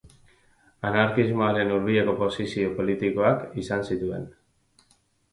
Anarkismoaren hurbileko posizio politikoak izan zituen.